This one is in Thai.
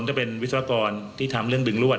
ก็เป็นวิศวกรที่ทำเรื่องดึงรวด